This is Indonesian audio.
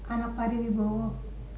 anak padiri bawah